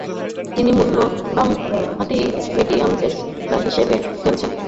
তিনি মূলতঃ বামহাতি মিডিয়াম পেস বোলার হিসেবে খেলতেন।